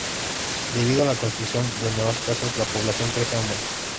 Debido a la construcción de nuevas casas la población crece aún más.